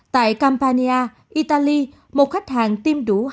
tại campania italy một khách hàng tiêm đủ hai mươi